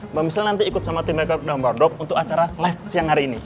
mbak michelle nanti ikut sama tim make up dalam wardrobe untuk acara live siang hari ini